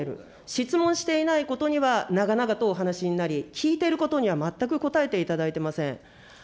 質問していないことには長々とお話しになり、聞いていることには全く答えていただいていません。